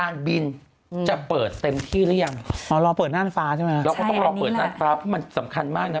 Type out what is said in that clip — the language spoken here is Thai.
เราต้องรอเปิดหน้าฟ้าเพราะมันสำคัญมากนะ